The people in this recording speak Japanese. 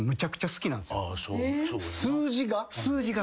数字が？